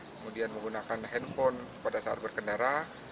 kemudian menggunakan handphone pada saat berkendara